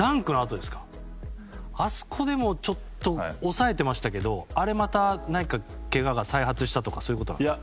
あそこでもちょっと押さえてましたけどあれ、またけがが再発したとかそういうことなんですか？